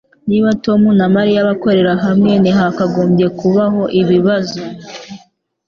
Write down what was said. Niba Tom na Mariya bakorera hamwe ntihakagombye kubaho ibibazo